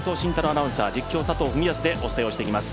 アナウンサー、実況、佐藤文康でお伝えをしていきます。